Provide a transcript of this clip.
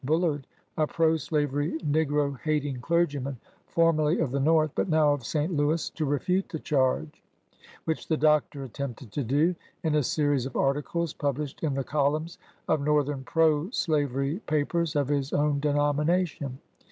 Bullard, a pro slavery, negro hating clergyman, formerly of the North, but now of St. Louis, to refute the charge ; which the Doctor attempted to do, in a series of articles published in the columns of Northern pro slavery pa pers of his own denomination.